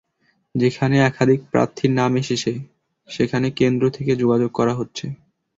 যেখানে একাধিক প্রার্থীর নাম এসেছে, সেখানে কেন্দ্র থেকে যোগাযোগ করা হচ্ছে।